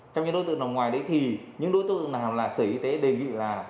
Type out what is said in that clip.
trong những đối tượng nằm ngoài đấy thì những đối tượng nào là sở y tế đề nghị là